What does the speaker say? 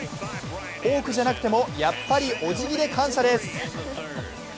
フォークじゃなくてもやっぱりお辞儀で感謝です。